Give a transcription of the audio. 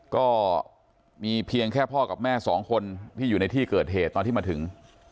ก็มีเพียงแค่พ่อกับแม่สองคนที่อยู่ในที่เกิดเหตุตอนที่มาถึง